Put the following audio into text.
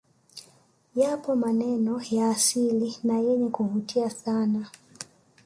Yapo maneno ya asili na yenye kuvutia sana